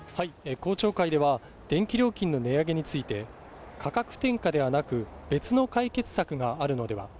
公聴会では電気料金の値上げについて価格転嫁ではなく別の解決策があるのでは。